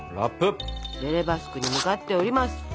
ベレ・バスクに向かっております。